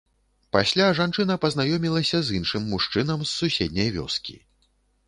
Пасля жанчына пазнаёмілася з іншым мужчынам з суседняй вёскі.